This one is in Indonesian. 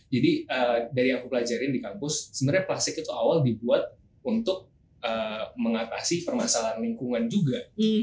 jadi dari yang aku pelajari di kampus sebenarnya plastik itu awal dibuat untuk mengatasi permasalahan lingkungan juga